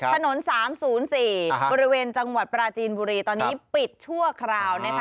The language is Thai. ถนน๓๐๔บริเวณจังหวัดปราจีนบุรีตอนนี้ปิดชั่วคราวนะคะ